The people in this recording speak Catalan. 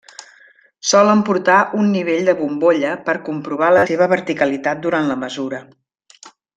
Solen portar un nivell de bombolla per comprovar la seva verticalitat durant la mesura.